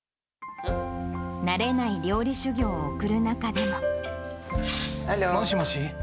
慣れない料理修業を送る中でもしもし。